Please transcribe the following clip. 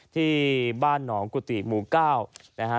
ที่บ้านหนองกุฏิหมู่๙นะฮะ